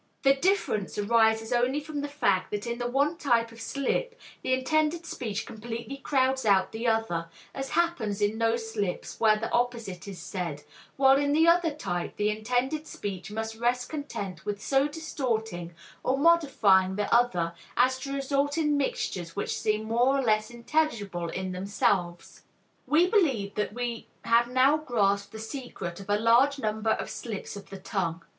The difference arises only from the fact that in the one type of slip the intended speech completely crowds out the other, as happens in those slips where the opposite is said, while in the other type the intended speech must rest content with so distorting or modifying the other as to result in mixtures which seem more or less intelligible in themselves. We believe that we have now grasped the secret of a large number of slips of the tongue.